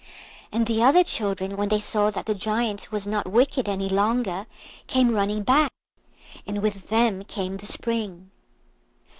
And the other children, when they saw that the Giant was not wicked any longer, came running back, and with them came the Spring.